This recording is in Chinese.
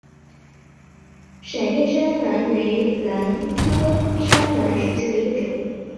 狭叶山兰为兰科山兰属下的一个种。